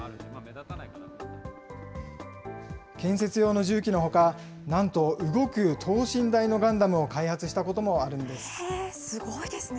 建設用の重機のほか、なんと動く等身大のガンダムを開発したことすごいですね。